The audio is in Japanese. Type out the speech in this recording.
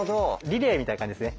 リレーみたいな感じですね。